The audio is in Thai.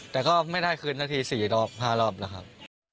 แต่ก็ไม่ได้คืนนักที่๔๕รอบนะครับ